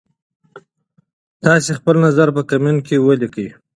تاسي خپل نظر په کمنټ کي ولیکئ.